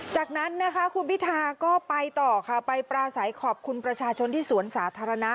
จากนั้นนะคะคุณพิธาก็ไปต่อค่ะไปปราศัยขอบคุณประชาชนที่สวนสาธารณะ